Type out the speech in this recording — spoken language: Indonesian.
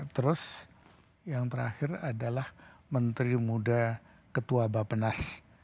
terus yang terakhir adalah menteri muda ketua bapenas